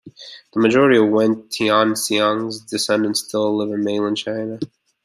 The majority of Wen Tianxiang's descendants still live in mainland China.